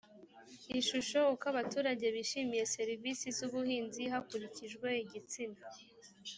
ishusho uko abaturage bishimiye serivisi z ubuhinzi hakurikijwe igitsina